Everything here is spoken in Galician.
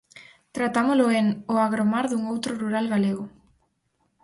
Tratámolo en 'O agromar dun outro rural galego'.